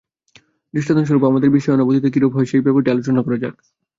দৃষ্টান্তস্বরূপ আমাদের বিষয়ানুভূতি কিরূপে হয়, সেই ব্যাপারটি আলোচনা করা যাক।